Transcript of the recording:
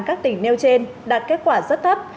các tỉnh nêu trên đạt kết quả rất thấp